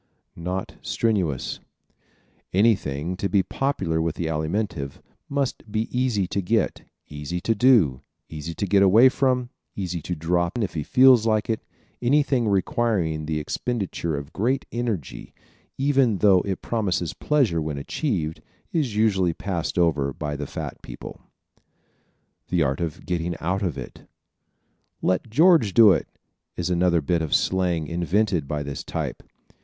Not Strenuous ¶ Anything, to be popular with the Alimentive, must be easy to get, easy to do, easy to get away from, easy to drop if he feels like it. Anything requiring the expenditure of great energy, even though it promises pleasure when achieved, is usually passed over by the fat people. The Art of Getting Out Of It ¶ "Let George do it" is another bit of slang invented by this type.